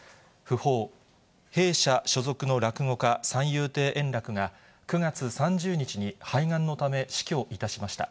訃報、弊社所属の落語家、三遊亭円楽が、９月３０日に肺がんのため死去いたしました。